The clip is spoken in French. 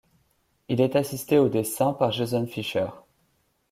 Il est assisté au dessin par Jason Fischer.